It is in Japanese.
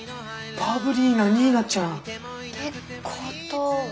バブリーなニーナちゃん。ってことは。